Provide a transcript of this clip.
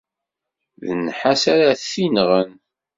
D nnḥas ara t-inɣen.